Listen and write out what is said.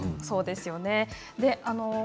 そうですよね。